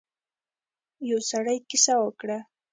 يو سړی کيسه وکړه.